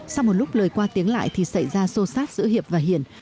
sau một lúc lời qua tiếng lại thì xảy ra sô sát giữa hiệp và hiện